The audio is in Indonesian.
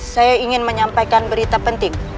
saya ingin menyampaikan berita penting